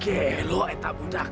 gila dia tidak mudah